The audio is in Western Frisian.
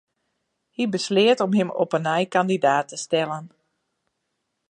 Hy besleat om him op 'e nij kandidaat te stellen.